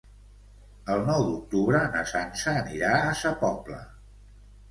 El nou d'octubre na Sança anirà a Sa Pobla.